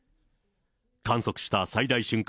観測した最大瞬間